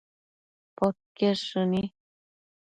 podquied shëni